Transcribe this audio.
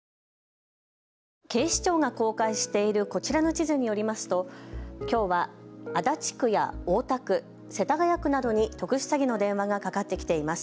警視庁が公開しているこちらの地図によりますときょうは足立区や大田区、世田谷区などに特殊詐欺の電話がかかってきています。